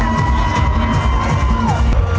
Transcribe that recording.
ไม่กลัวอะไร